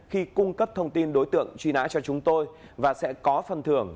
khi cung cấp thông tin đối tượng truy nã cho chúng tôi và sẽ có phần thưởng